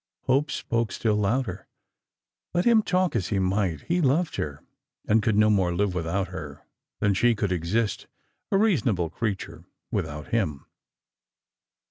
Hope spoke still louder. Let him talk as he might, he loved her, and could no more live without her than she could exist, a reasonable crea ture, without him.